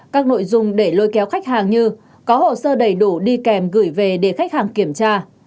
các nội dung để lôi kéo khách hàng như có hồ sơ đầy đủ đi kèm gửi về để khách hàng kiểm tra